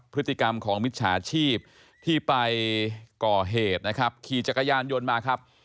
พฤติกรรมของมิจฉาชีพที่ไปก่อเหตุนะครับขี่จักรยานยนต์มาครับ